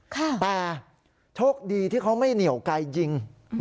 แต่โชคดีที่เขาไม่เหนียวไกลยิง